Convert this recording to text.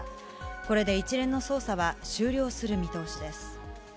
これで一連の捜査は終了する見通